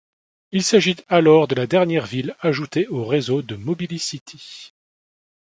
Il s'agit alors de la dernière ville ajoutée au réseau de Mobilicity.